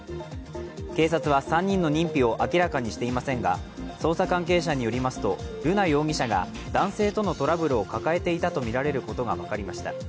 警察は３人の認否を明らかにしていませんが捜査関係者によりますと瑠奈容疑者が男性とのトラブルを抱えていたとみられることが分かりました。